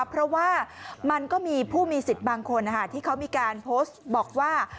เพราะว่ามันก็มีผู้มีสิทธิ์บางคนที่เขามีการโพสต์บอกว่า